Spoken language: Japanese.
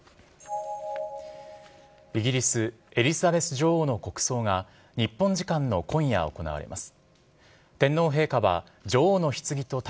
イギリス、エリザベス女王の国葬が、日本時間の今夜行われます。